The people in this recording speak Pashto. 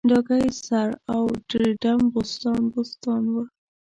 ډاګی سر او دړیدم بوستان بوستان و